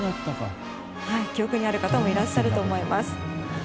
記憶にある方もいらっしゃると思います。